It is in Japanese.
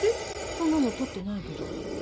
そんなのとってないけど？